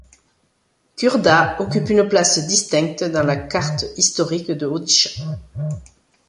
Khurda occupe une place distincte dans la carte historique de Odisha.